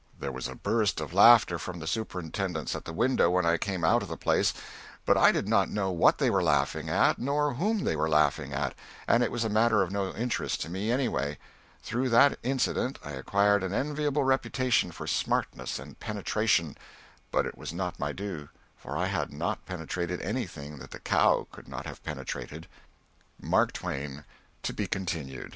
There was a burst of laughter from the superintendents at the window when I came out of the place, but I did not know what they were laughing at nor whom they were laughing at, and it was a matter of no interest to me anyway. Through that incident I acquired an enviable reputation for smartness and penetration, but it was not my due, for I had not penetrated anything that the cow could not have penetrated. MARK TWAIN. (_To be Continued.